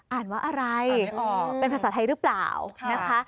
อ่านว่าอะไรเป็นภาษาไทยหรือเปล่านะคะ